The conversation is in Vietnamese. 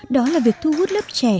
đó là việc thu hút lớp trẻ trẻ trẻ